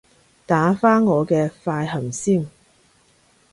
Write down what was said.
打返我嘅快含先